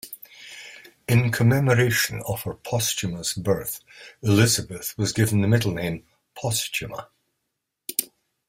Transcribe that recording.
In commemoration of her posthumous birth, Elizabeth was given the middle name Posthuma.